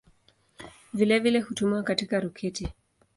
Vile hutumiwa katika roketi.